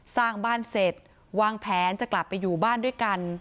สร้างบ้านเสร็จวางแผนจะกลับไปอยู่บ้านด้วยกัน